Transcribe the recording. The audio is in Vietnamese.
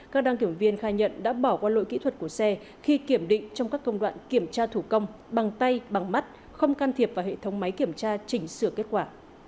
các đăng kiểm viên khai nhận đã bỏ qua lỗi kỹ thuật của xe khi kiểm định trong các công đoạn kiểm tra thủ công bằng tay bằng mắt không can thiệp vào hệ thống máy kiểm tra chỉnh sửa kết quả